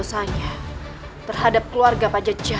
seji dengan kutip buu